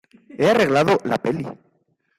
he arreglado la peli.